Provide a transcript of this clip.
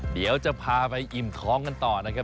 เดี๋ยวจะพาไปอิ่มท้องกันต่อนะครับ